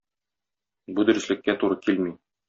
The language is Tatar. Бу дөреслеккә туры килми.